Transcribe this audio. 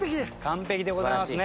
完璧でございますね。